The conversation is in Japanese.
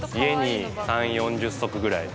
家に３、４０足ぐらい。